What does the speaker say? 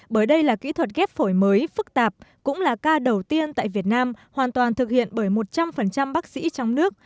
bởi đây là kỹ thuật ghép phổi mới phức tạp cũng là ca đầu tiên tại việt nam hoàn toàn thực hiện bởi một trăm linh bác sĩ trong nước